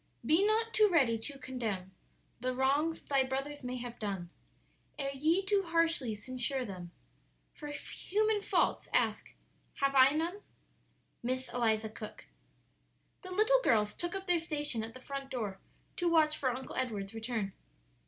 "Be not too ready to condemn The wrongs thy brothers may have done; Ere ye too harshly censure them For human faults, ask, 'Have I none?'" Miss Eliza Cook. The little girls took up their station at the front door to watch for "Uncle Edward's" return.